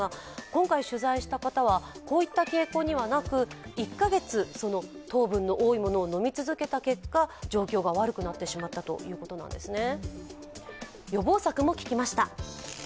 今回取材した方はこういった傾向にはなく１カ月、糖分の多いものを飲み続けた結果、状況が悪くなってしまったということなんですね。